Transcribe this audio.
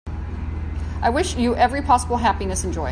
I wish you every possible happiness and joy.